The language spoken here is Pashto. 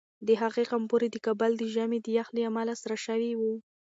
د هغې غومبوري د کابل د ژمي د یخ له امله سره شوي وو.